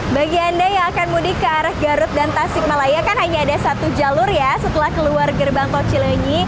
bagi anda yang akan mudik ke arah garut dan tasik malaya kan hanya ada satu jalur ya setelah keluar gerbang tol cilenyi